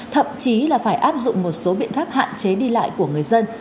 thậm chí là phải áp dụng một số biện pháp hạn chế đi lại của người dân